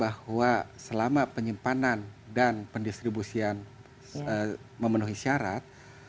bahwa selama penyimpanan dan pendistribusian memenuhi syarat